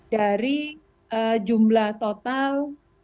dari jumlah total lima ratus sembilan puluh tujuh